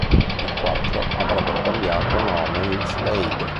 I quattro avrebbero cambiato nome in Slade.